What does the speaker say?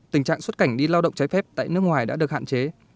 tình trạng xuất cảnh đi lao động trái phép tại nước ngoài đã được hạn chế